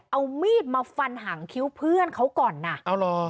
เอามีดมาฟันหางคิ้วเพื่อนเขาก่อนน่ะเอาเหรอ